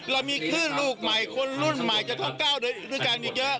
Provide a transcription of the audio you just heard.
เรามีคลื่นลูกใหม่คนรุ่นใหม่จะต้องก้าวด้วยกันอีกเยอะ